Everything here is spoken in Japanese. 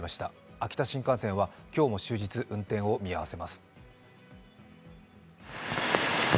秋田新幹線は今日も終日、運転を見合わせます。